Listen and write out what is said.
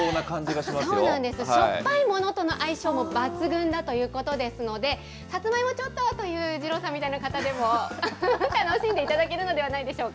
しょっぱいものとの相性も抜群だということですので、さつまいもちょっとという二郎さんみたいな方でも、楽しんでいただけるんじゃないでしょうか。